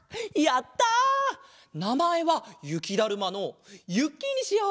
なまえはゆきだるまのゆっきーにしよう。